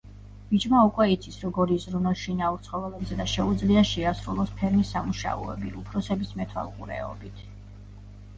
ბიჭმა უკვე იცის როგორ იზრუნოს შინაურ ცხოველებზე და შეუძლია შეასრულოს ფერმის სამუშაოები უფროსების მეთვალყურეობით.